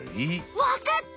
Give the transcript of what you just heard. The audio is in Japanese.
わかった！